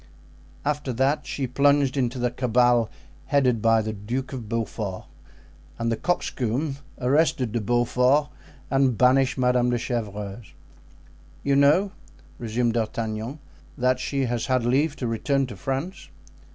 After that she plunged into the cabal headed by the Duke of Beaufort; and the 'coxcomb' arrested De Beaufort and banished Madame de Chevreuse." "You know," resumed D'Artagnan, "that she has had leave to return to France?"